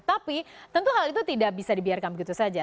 tapi tentu hal itu tidak bisa dibiarkan begitu saja